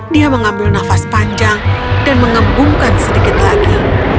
dia mengambil nafas panjang dan mengembungkan sedikit lagi